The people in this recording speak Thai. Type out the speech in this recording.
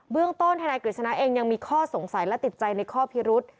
เรื่องต้นธนายกฤษณะเองยังมีข้อสงสัยและติดใจในข้อพิรุษ